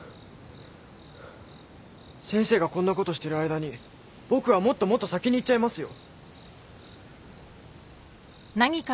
先生がこんなことしてる間に僕はもっともっと先に行っちゃいますよ。